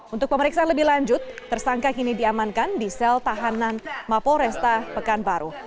untuk pemeriksaan lebih lanjut tersangka kini diamankan di sel tahanan mapo resta pekanbaru